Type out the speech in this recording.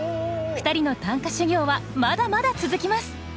２人の短歌修行はまだまだ続きます。